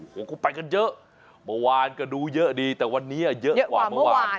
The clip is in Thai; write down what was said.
ผมก็ไปกันเยอะเมื่อวานก็ดูเยอะดีแต่วันนี้เยอะกว่าเมื่อวาน